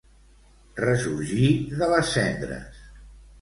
Ressorgir de les cendres